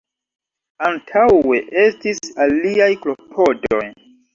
Antaŭe estis aliaj klopodoj.